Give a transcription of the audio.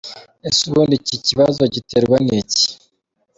Ese ubundi iki kibazo giterwa n’iki? .